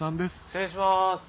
失礼します。